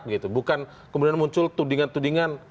bukan kemudian muncul tudingan tudingan